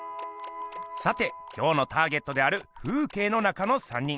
さて今日のターゲットである「風景の中の三人」。